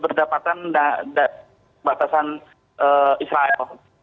berdapatan batasan israel